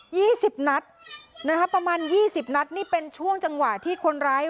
ี่สิบนัดนะคะประมาณยี่สิบนัดนี่เป็นช่วงจังหวะที่คนร้าย